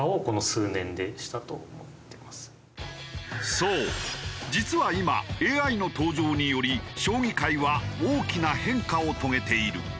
そう実は今ＡＩの登場により将棋界は大きな変化を遂げている。